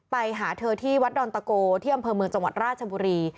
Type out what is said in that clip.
ไปหาเธอที่วัดดอนตะโกที่อำเภอเมืองจังหวัดราชบุรี